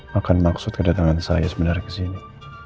maka maksud kedatangan saya sebenarnya kesini